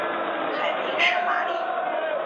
海滨圣玛丽。